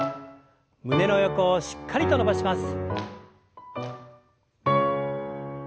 胸の横をしっかりと伸ばします。